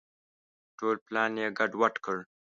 ټول پلان یې ګډ وډ کړ.